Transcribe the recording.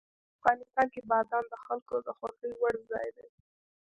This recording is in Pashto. افغانستان کې بادام د خلکو د خوښې وړ ځای دی.